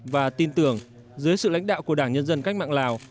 và tin tưởng dưới sự lãnh đạo của đảng nhân dân cách mạng lào